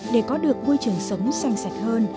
để có được môi trường sống xanh sạch hơn